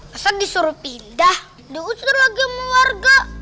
kesan disuruh pindah diusir lagi sama warga